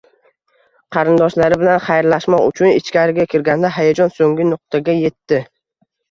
qarindoshlari bilan xayrlashmoq uchun ichkari kirganida hayajon so'nggi nuqtaga yetdi.